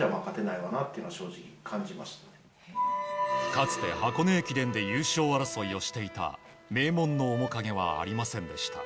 かつて箱根駅伝で優勝争いをしていた名門の面影はありませんでした。